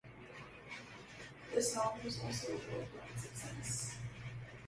The song was also a worldwide success.